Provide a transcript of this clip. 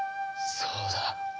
そうだ。